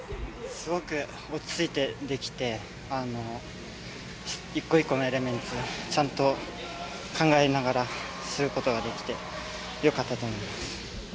すごく落ち着いてできて１個１個のエレメンツちゃんと考えながらする事ができてよかったと思います。